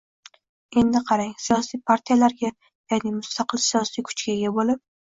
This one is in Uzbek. Endi qarang, siyosiy partiyalarga, ya’ni mustaqil siyosiy kuchga ega bo‘lib